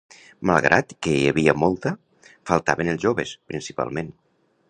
Malgrat que hi havia molta, faltaven els joves, principalment.